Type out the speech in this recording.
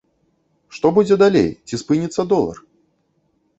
Што будзе далей, ці спыніцца долар?